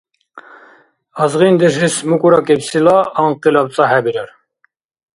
Азгъиндешлис мукӀуракӀибсила анкъилаб цӀа хӀебирар.